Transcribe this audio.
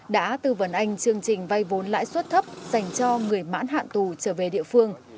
đã tư vấn anh chương trình vay vốn lãi suất thấp dành cho người mãn hạn tù trở về địa phương